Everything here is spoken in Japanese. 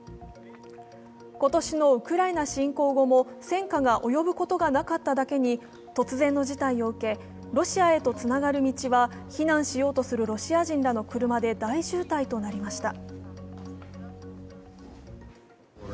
今年のウクライナ侵攻後も戦火が及ぶことがなかっただけに突然の事態を受け、ロシアへとつながる道は避難しようとするロシア人らの車で大渋滞となりました。